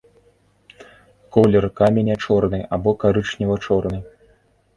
Колер каменя чорны або карычнева-чорны.